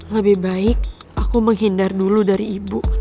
lebih baik aku menghindar dulu dari ibu